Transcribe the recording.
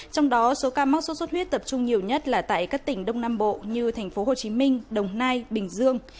trong đó số ca mắc số xuất huyết tập trung nhiều nhất là tại các tỉnh đông nam bộ như tp hcm đồng nai bình dương